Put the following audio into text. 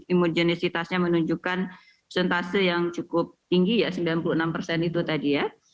imujinisitasnya menunjukkan sentase yang cukup tinggi ya sembilan puluh enam persen itu tadi ya